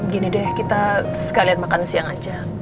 gini deh kita sekalian makan siang aja